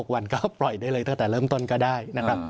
วันก็ปล่อยได้เลยตั้งแต่เริ่มต้นก็ได้นะครับ